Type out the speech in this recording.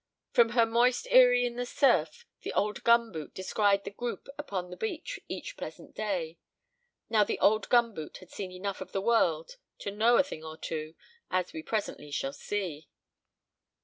From her moist eyry in the surf the old gum boot descried the group upon the beach each pleasant day. Now the old gum boot had seen enough of the world to know a thing or two, as we presently shall see.